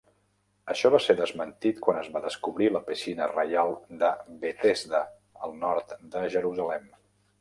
Això va ser desmentit quan es va descobrir la piscina reial de Bethesda al nord de Jerusalem.